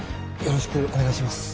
よろしくお願いします